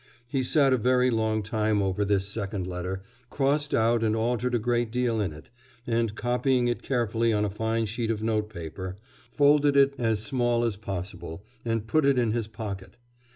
He sat a very long time over this second letter, crossed out and altered a great deal in it, and, copying it carefully on a fine sheet of note paper, folded it up as small as possible, and put it in his pocket.